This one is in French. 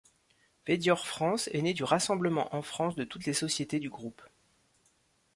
Vedior France est né du rassemblement en France de toutes les sociétés du groupe.